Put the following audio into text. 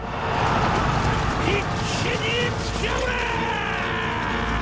一気に突き破れ！